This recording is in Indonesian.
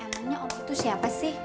emangnya om itu siapa sih